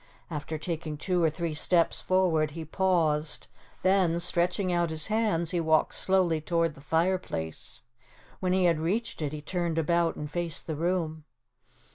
After taking two or three steps forward he paused, then, stretching out his hands he walked slowly toward the fireplace. When he had reached it he turned about and faced the room.